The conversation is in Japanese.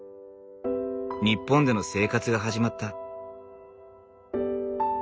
日本での生活が始まった。